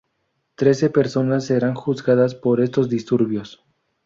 Trece personas serán juzgadas por estos disturbios.